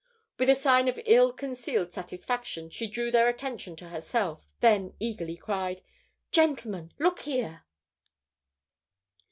With a sign of ill concealed satisfaction, she drew their attention to herself; then eagerly cried: "Gentlemen, look here!"